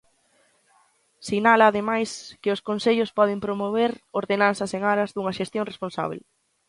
Sinala, ademais, que os concellos poden promover ordenanzas en aras dunha xestión responsábel.